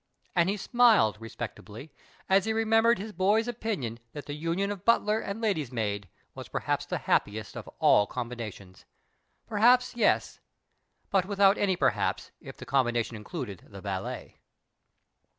And he smiled, respectably, as he remembered his boy's opinion that the union of butler and lady's maid was perhaps the happiest of all combinations. Perhaps, yes ; but without any perhaps, if the combination included the valet.